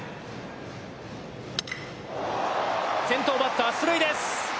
先頭バッター出塁です。